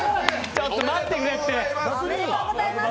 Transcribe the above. ちょっと待ってくれって！